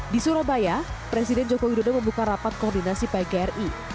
di surabaya presiden jokowi dodo membuka rapat koordinasi pgi